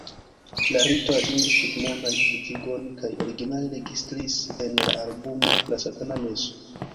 La rito atingis tutmondan publikigon kaj originale registris en la albumo La Satana Meso.